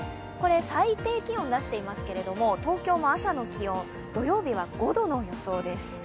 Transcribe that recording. これ最低気温を出していますけれども、東京も朝の気温土曜日は５度の予想です。